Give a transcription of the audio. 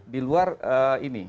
di luar ini